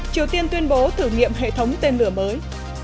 triều tiên tuyên bố thử nghiệm hệ thống tên lửa mới